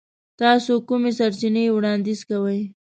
تاسو کومې سرچینې وړاندیز کوئ؟